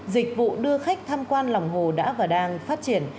dịch vụ đưa khách tham quan lòng hồ đã và đang phát triển